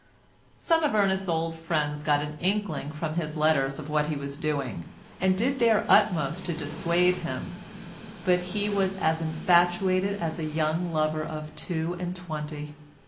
Some of Ernest's old friends got an inkling from his letters of what he was doing, and did their utmost to dissuade him, but he was as infatuated as a young lover of two and twenty.